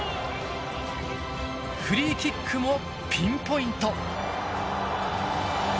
フリーキックもピンポイント。